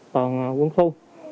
toàn quân khu